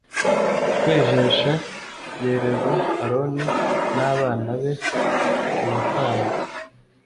kwejesha yereza aroni n abana be ubutambyi